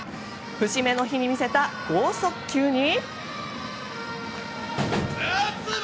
節目の日に見せた豪速球に。